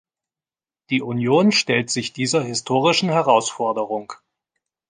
Die Union stellt sich dieser historischen Herausforderung.